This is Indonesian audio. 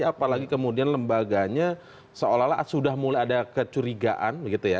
apalagi kemudian lembaganya seolah olah sudah mulai ada kecurigaan